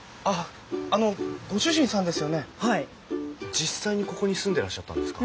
実際にここに住んでらっしゃったんですか？